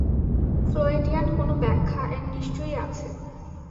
ফ্লয়েডিয়ান কোনো ব্যাখ্যা এর নিশ্চয়ই আছে।